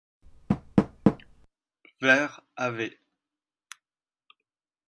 Vers av.